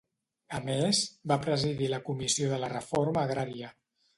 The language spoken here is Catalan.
A més, va presidir la Comissió de la Reforma Agrària.